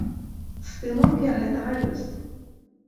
Стымул для гэтага ёсць!